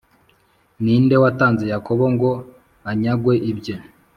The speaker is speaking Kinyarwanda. Ni nde watanze Yakobo ngo anyagwe ibye,